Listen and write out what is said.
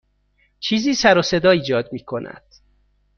چیزی سر و صدا ایجاد می کند.